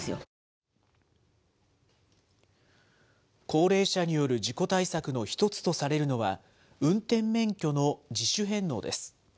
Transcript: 高齢者による事故対策の１つとされるのは、運転免許の自主返納です。